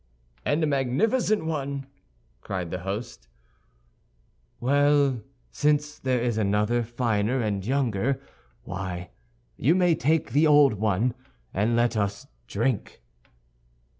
"And a magnificent one!" cried the host. "Well, since there is another finer and younger, why, you may take the old one; and let us drink."